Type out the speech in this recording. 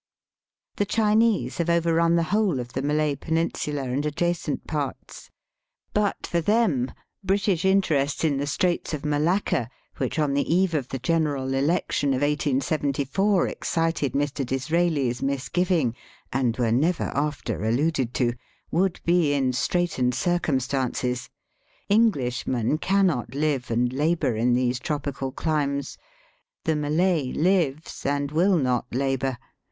The Chinese have overrun the whole of the Malay peninsula and adjacent parts. But for them British interests in the Straits of Malacca, which on the eve of the general election of 1874 excited Mr. DisraeU's mis giving (and were never after alluded to), would be in straitened circumstances. Enghshmen cannot live and labour in these tropical climes. Digitized by VjOOQIC 126 EAST BY WEST, The Malay lives and will not labour.